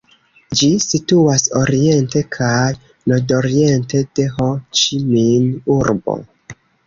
Ĝi situas oriente kaj nordoriente de Ho-Ĉi-Min-urbo.